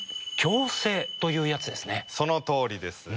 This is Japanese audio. そのとおりです。